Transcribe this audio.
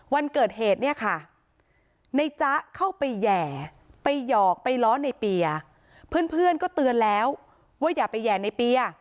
วันเกิดเหตุเนี่ยค่ะในจ๊ะเข้าไปแห่ไปหยอกไปล้อในเปียร์เพื่อนก็เตือนแล้วว่าอย่าไปแห่ในเปีย